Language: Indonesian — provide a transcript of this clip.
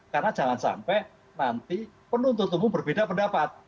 karena jangan sampai nanti penuntut umum berbeda pendapat